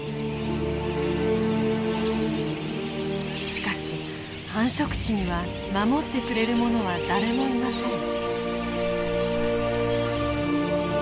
しかし繁殖地には守ってくれるものは誰もいません。